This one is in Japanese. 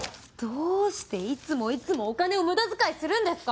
どうしていつもいつもお金を無駄遣いするんですか？